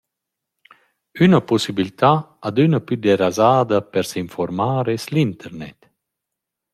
Üna pussibiltà adüna plü derasada per s’infuormar es l’internet.